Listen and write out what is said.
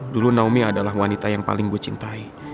dulu naomi adalah wanita yang paling gue cintai